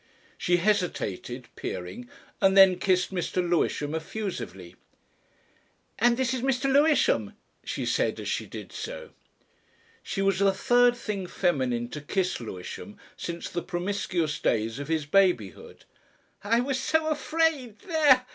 She hesitated, peering, and then kissed Mr. Lewisham effusively. "And this is Mr. Lewisham!" she said as she did so. She was the third thing feminine to kiss Lewisham since the promiscuous days of his babyhood. "I was so afraid There!"